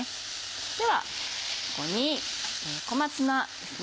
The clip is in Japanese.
ではここに小松菜ですね